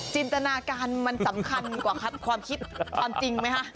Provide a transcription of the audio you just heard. จินตนาการมันสำคัญกว่าความคิดความจริงไหมคะ